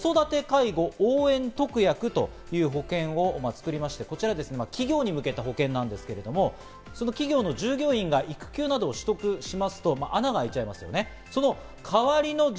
さらには損保ジャパンが子育て介護応援特約という保険を作りまして、こちら企業に向けた保険なんですけど、その企業の従業員が育休などを取得しますと穴が開いちゃいますよね。